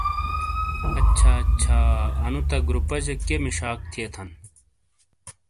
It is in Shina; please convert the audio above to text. اچھا اچھا، انو تہ گروپہ جہ کئیے مشاک تھیے تھان؟